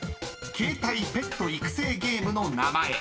［携帯ペット育成ゲームの名前］